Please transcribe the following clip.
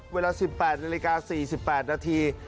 เวลา๑๘นาฬิกา๔๘นาที